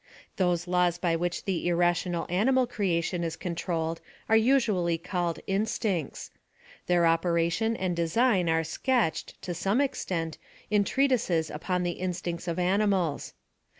Those laws by which the irrational ani mal creation iscontroled are usually called instincts. Their operation and design are sketched, to some extent, in treatises upon the instincts of animals.